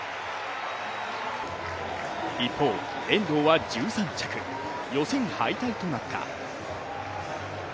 一方、遠藤は１３着、予選敗退となった。